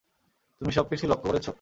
তুমি সবকিছু লক্ষ্য করেছো?